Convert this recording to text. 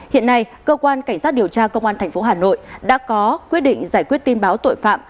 hiện nay cơ quan cảnh sát điều tra công an tp hà nội đã có quyết định giải quyết tin báo tội phạm